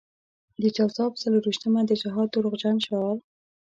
د جوزا په څلور وېشتمه د جهاد د دروغجن شعار.